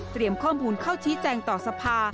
เตรียมข้อมูลเข้าชี้แจ่งต่อสภา